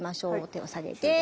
手を下げて。